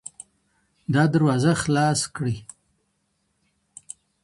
دا دروازه خلاص کړئ.